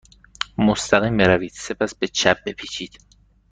مستقیم بروید. سپس به چپ بپیچید.